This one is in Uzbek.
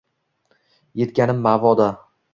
Yetganim ma’voda